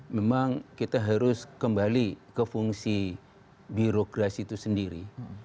memang kita harus kembali ke fungsi birokrasi itu sendiri